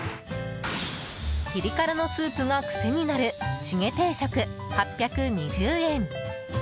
ピリ辛のスープが癖になるチゲ定食、８２０円。